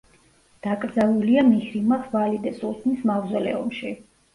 დაკრძალულია მიჰრიშაჰ ვალიდე სულთნის მავზოლეუმში.